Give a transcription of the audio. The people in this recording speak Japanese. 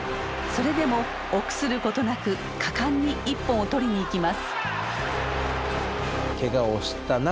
それでも臆することなく果敢に一本を取りにいきます。